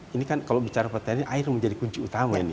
ini kan kalau bicara pertanian air menjadi kunci utama ini